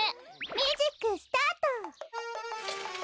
ミュージックスタート！